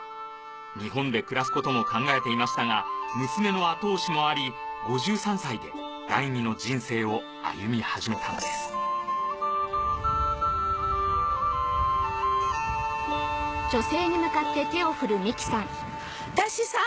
日本で暮らすことも考えていましたが娘の後押しもあり５３歳で第二の人生を歩み始めたのですタシさん！